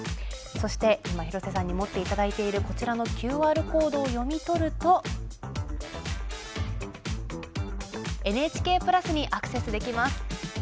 そして、今、廣瀬さんに持っていただいているこちらのＱＲコードを読み取るとＮＨＫプラスにアクセスできます。